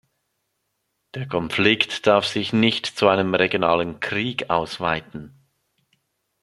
Der Konflikt darf sich nicht zu einem regionalen Krieg ausweiten.